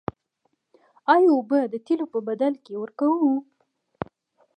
آیا اوبه د تیلو په بدل کې ورکوو؟